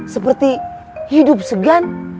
seperti hidup segan